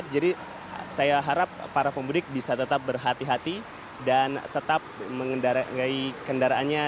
jadi saya harap para pemudik bisa tetap berhati hati dan tetap mengendalikan kendaraannya